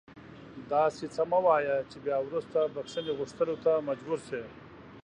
داسې څه مه وایه چې بیا وروسته بښنې غوښتلو ته مجبور شې